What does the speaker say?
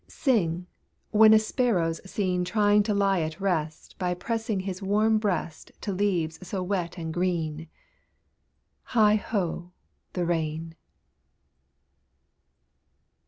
Sing when a Sparrow's seen Trying to lie at rest By pressing his warm breast To leaves so wet and green Heigh ho! The rain!